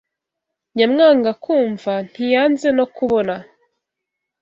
Nyamwanga kwumva ntiyanze kubona